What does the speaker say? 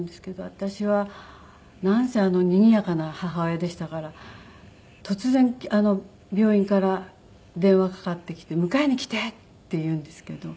私はなんせにぎやかな母親でしたから突然病院から電話かかってきて「迎えに来て！」って言うんですけど。